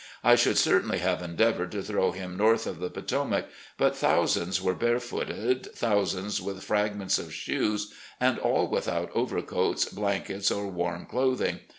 I should certainly have endeavored to throw them north of the Potomac; but thousands were bare footed, thousands with fragments of shoes, and aU with out overcoats, blankets, or warm clothing.